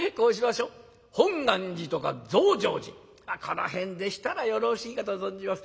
本願寺とか増上寺この辺でしたらよろしいかと存じます。